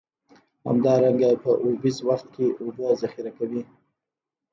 همدارنګه په اوبیز وخت کې اوبه ذخیره کوي.